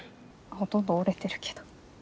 ほとんど折れてるけど。